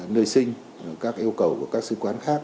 nơi sinh các yêu cầu của các sứ quán khác